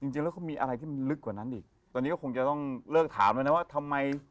จริงแล้วเขามีอะไรที่มันลึกกว่านั้นอีกตอนนี้ก็คงจะต้องเลิกถามแล้วนะว่าทำไม